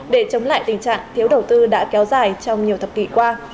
để chống lại tình trạng thiếu đầu tư đã kéo dài trong nhiều thập kỷ qua